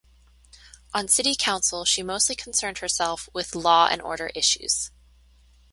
On city council she mostly concerned herself with law and order issues.